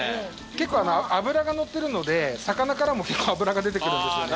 結構脂がのってるので魚からも脂が出て来るんですよね。